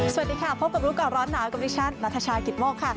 สวัสดีครับพบกับโรคร้อนหนาวกับดิฉันนาธาชาขีดโม้กค่ะ